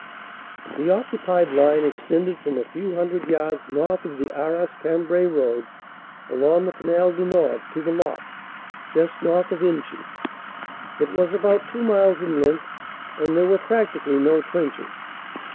.. "The occupied line extended from a few hundred yards north of the Arras Cambrai road along the Canal du Nord to the lock, just north of Inchy. It was about two miles in length and there were practically no trenches.